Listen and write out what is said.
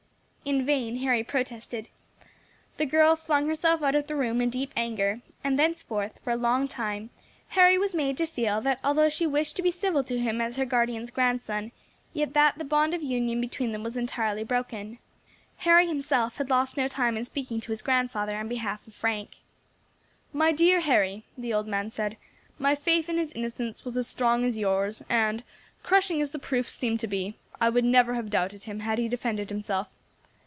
In vain Harry protested. The girl flung herself out of the room in deep anger, and thenceforth, for a long time, Harry was made to feel that although she wished to be civil to him as her guardian's grandson, yet that the bond of union between them was entirely broken. Harry himself had lost no time in speaking to his grandfather on behalf of Frank. "My dear Harry," the old man said, "my faith in his innocence was as strong as yours, and, crushing as the proofs seemed to be, I would never have doubted him had he defended himself.